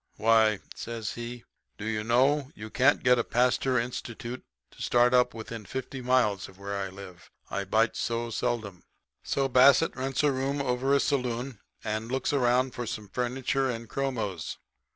"'Why,' says he, 'do you know, you can't get a Pasteur institute to start up within fifty miles of where I live. I bite so seldom.' "So, Bassett rents a room over a saloon and looks around for some furniture and chromos.